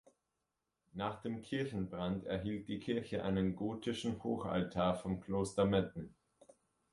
Nach dem Kirchenbrand erhielt die Kirche einen gotischen Hochaltar vom Kloster Metten.